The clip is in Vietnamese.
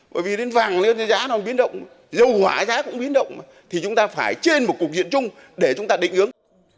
bởi vì đến vàng giá nó biến động dâu hỏa giá cũng biến động thì chúng ta phải trên một cuộc diện chung để chúng ta định ứng